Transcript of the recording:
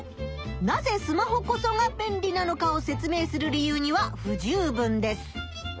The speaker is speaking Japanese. なぜスマホこそが便利なのかを説明する理由には不十分です。